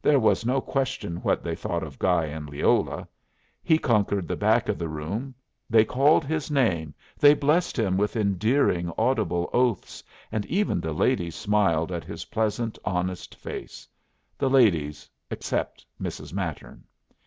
There was no question what they thought of Guy and Leola. He conquered the back of the room. They called his name, they blessed him with endearing audible oaths, and even the ladies smiled at his pleasant, honest face the ladies, except Mrs. Mattern.